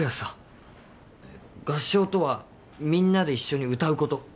えっ合唱とはみんなで一緒に歌うこと。